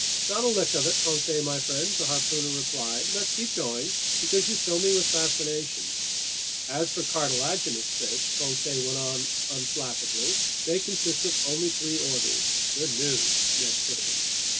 "Not a lick of it, Conseil my friend," the harpooner replied. "But keep going, because you fill me with fascination." "As for cartilaginous fish," Conseil went on unflappably, "they consist of only three orders." "Good news," Ned put in.